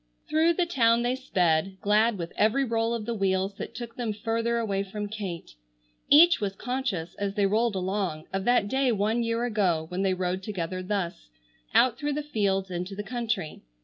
Through the town they sped, glad with every roll of the wheels that took them further away from Kate. Each was conscious, as they rolled along, of that day one year ago when they rode together thus, out through the fields into the country.